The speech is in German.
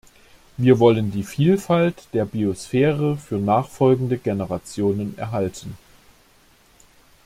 Wir wollen die Vielfalt der Biosphäre für nachfolgende Generationen erhalten.